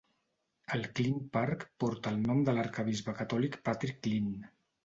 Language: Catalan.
El Clune Park porta el nom de l'arquebisbe catòlic Patrick Clune.